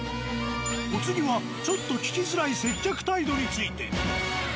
お次はちょっと聞きづらい接客態度について。